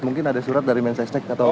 mungkin ada surat dari mensesnek atau